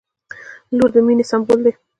• لور د مینې سمبول دی.